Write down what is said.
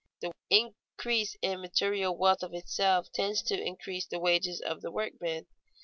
The increase in material wealth of itself tends to increase the wages of the workman.